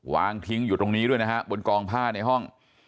วางทิ้งอยู่ตรงนี้ด้วยนะฮะบนกองผ้าในห้อง